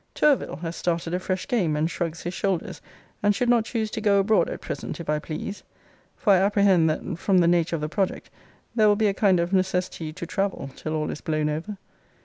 TOURVILLE has started a fresh game, and shrugs his shoulders, and should not choose to go abroad at present, if I please. For I apprehend that (from the nature of the project) there will be a kind of necessity to travel, till all is blown over.